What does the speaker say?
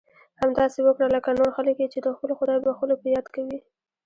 همداسې وکړه لکه نور خلک یې چې د خپلو خدای بښلو په یاد کوي.